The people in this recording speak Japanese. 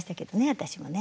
私もね。